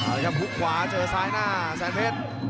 เอาละครับหุบขวาเจอซ้ายหน้าแสนเพชร